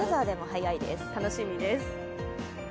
楽しみです。